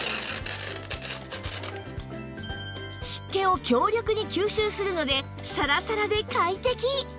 湿気を強力に吸収するのでサラサラで快適！